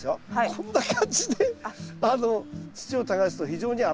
こんな感じで土を耕すと非常に危ないですね。